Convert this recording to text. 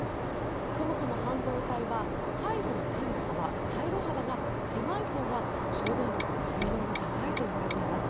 そもそも半導体は回路の線の幅、回路幅が狭いほうが、省電力で性能が高いといわれています。